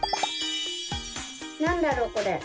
なんだろうこれ？